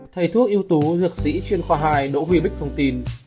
thầy thuốc yếu tố dược sĩ chuyên khoa hai đỗ huy bích thông tin